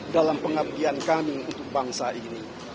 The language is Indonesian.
dalam pengabdian kami untuk bangsa ini